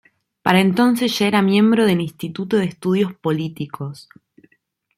Para entonces ya era miembro del Instituto de Estudios Políticos.